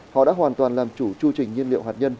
họ đã hoàn toàn làm chủ chu trình nhiên liệu hạt nhân